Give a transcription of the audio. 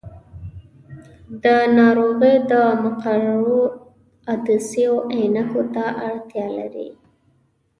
دا ناروغي د مقعرو عدسیو عینکو ته اړتیا لري.